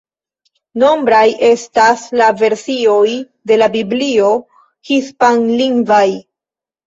Nombraj estas la versioj de la Biblio hispanlingvaj.